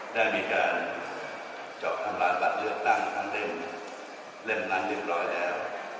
ได้มีการเจาะทำลายบัตรเลือกตั้งทั้งในเล่มนั้นเรียบร้อยแล้ว